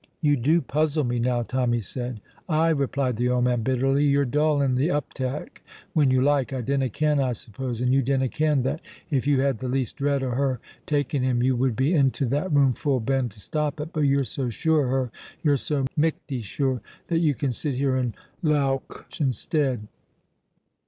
"You do puzzle me now," Tommy said. "Ay," replied the old man, bitterly, "you're dull in the uptak' when you like! I dinna ken, I suppose, and you dinna ken, that if you had the least dread o' her taking him you would be into that room full bend to stop it; but you're so sure o' her, you're so michty sure, that you can sit here and lauch instead."